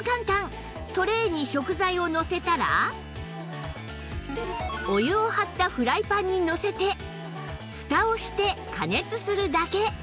トレーに食材をのせたらお湯を張ったフライパンにのせてふたをして加熱するだけ